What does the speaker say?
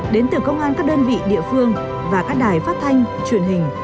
đến từ công an các đơn vị địa phương và các đài phát thanh truyền hình